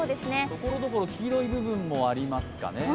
ところどころ、黄色い部分もありますかね。